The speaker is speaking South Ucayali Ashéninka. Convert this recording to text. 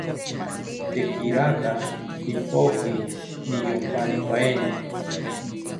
Tekirata ipoki niyomparipaeni